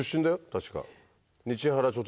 確か。